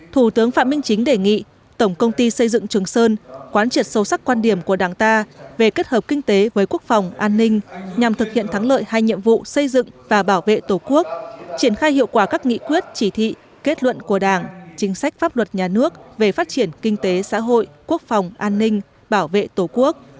thủ tướng phạm minh chính đề nghị tổng công ty xây dựng trường sơn quán triệt sâu sắc quan điểm của đảng ta về kết hợp kinh tế với quốc phòng an ninh nhằm thực hiện thắng lợi hai nhiệm vụ xây dựng và bảo vệ tổ quốc triển khai hiệu quả các nghị quyết chỉ thị kết luận của đảng chính sách pháp luật nhà nước về phát triển kinh tế xã hội quốc phòng an ninh bảo vệ tổ quốc